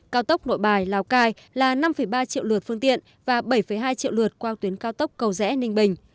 cao tốc nội bài lào cai là năm ba triệu lượt phương tiện và bảy hai triệu lượt qua tuyến cao tốc cầu rẽ ninh bình